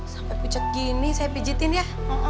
sampai pucat gini saya pijetin ya